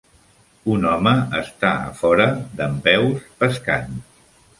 Un home està a fora dempeus pescant.